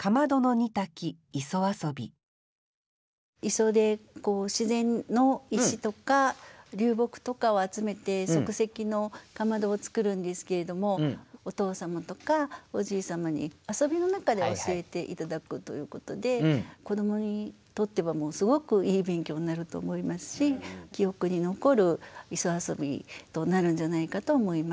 磯で自然の石とか流木とかを集めて即席の竈を作るんですけれどもお父様とかおじい様に遊びの中で教えて頂くということで子どもにとってはすごくいい勉強になると思いますし記憶に残る磯遊びとなるんじゃないかと思います。